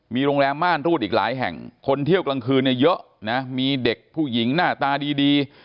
มีโรงแรมม่านรูดอีกหลายแห่งคนเที่ยวกลางคืนเนี่ยเยอะนะมีเด็กผู้หญิงหน้าตาดี